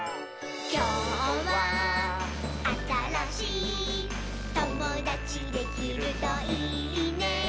「きょうはあたらしいともだちできるといいね」